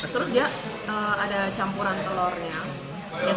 terus dia ada campuran telurnya